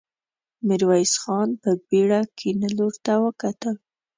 ميرويس خان په بېړه کيڼ لور ته وکتل.